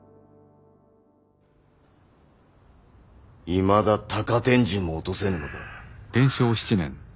いまだ高天神も落とせぬのか。